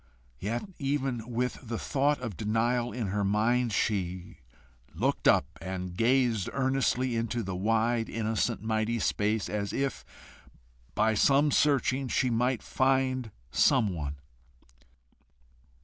Yet, even with the thought of denial in her mind, she looked up, and gazed earnestly into the wide innocent mighty space, as if by searching she might find some one.